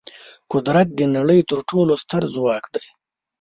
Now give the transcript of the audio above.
قدرت د نړۍ تر ټولو ستر ځواک دی.